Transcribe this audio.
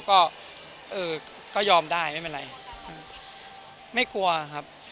ก็เออก็ยอมได้ไม่เป็นไรไม่กลัวครับ